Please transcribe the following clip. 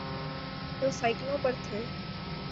جو سائیکلوں پہ تھے۔